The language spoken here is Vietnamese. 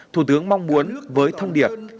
thủ tướng mong muốn với thông điệp